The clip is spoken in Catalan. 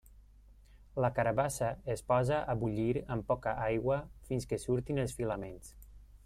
La carabassa es posa a bullir amb poca aigua fins que surtin els filaments.